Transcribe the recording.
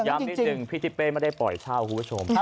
นิดนึงพี่ทิเป้ไม่ได้ปล่อยเช่าคุณผู้ชม